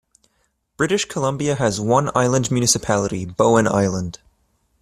British Columbia has one island municipality, Bowen Island.